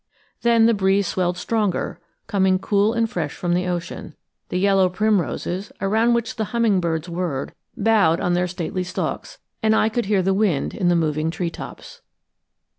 Then the breeze swelled stronger, coming cool and fresh from the ocean; the yellow primroses, around which the hummingbirds whirred, bowed on their stately stalks, and I could hear the wind in the moving treetops.